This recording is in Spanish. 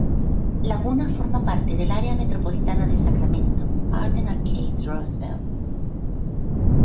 Laguna forma parte del área metropolitana de Sacramento–Arden-Arcade–Roseville.